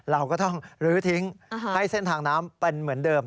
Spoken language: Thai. เราก็ต้องลื้อทิ้งให้เส้นทางน้ำเป็นเหมือนเดิม